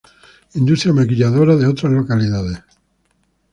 Industria Maquiladora de otras localidades.